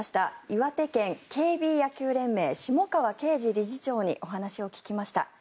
岩手県ＫＢ野球連盟下川恵司理事長にお話を聞きました。